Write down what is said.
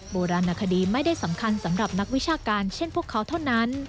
โบราณคดีไม่ได้สำคัญสำหรับนักวิชาการเช่นพวกเขาเท่านั้น